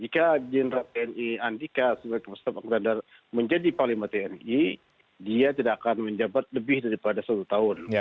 jika general tni antika perkasa panglima tni dia tidak akan menjabat lebih daripada satu tahun